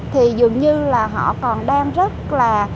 thì dường như là họ còn đang rất là